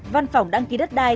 văn phòng đăng ký đất đai